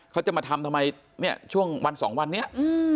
เขาจะมาทำทำไมเนี่ยช่วงวันสองวันนี้